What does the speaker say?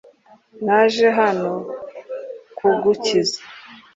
Naje hano kugukiza .